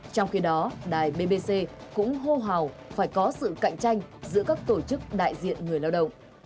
trong khi đó đài bbc cũng hô hào phải có sự cạnh tranh giữa các tổ chức đại diện người lao động